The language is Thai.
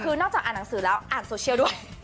คือนอกจากอ่านหนังสือแล้วอ่านโซเชียลด้วย